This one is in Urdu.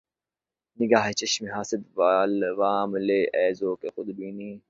نگاۂ چشم حاسد وام لے اے ذوق خود بینی